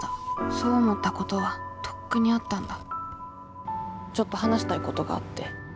そう思ったことはとっくにあったんだちょっと話したいことがあって。